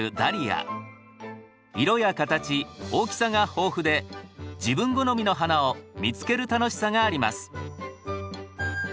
色や形大きさが豊富で自分好みの花を見つける楽しさがあります。